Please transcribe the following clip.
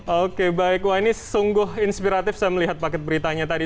oke baik wah ini sungguh inspiratif saya melihat paket beritanya tadi